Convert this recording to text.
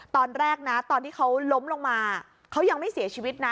ตอนแรกนะตอนที่เขาล้มลงมาเขายังไม่เสียชีวิตนะ